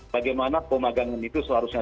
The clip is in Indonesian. bagaimana pemagangan itu seharusnya